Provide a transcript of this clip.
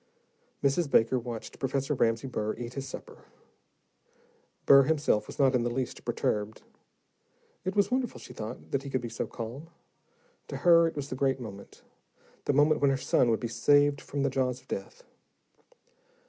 Mrs. Baker watched Professor Ramsey Burr eat his supper. Burr himself was not in the least perturbed; it was wonderful, she thought, that he could be so calm. To her, it was the great moment, the moment when her son would be saved from the jaws of death.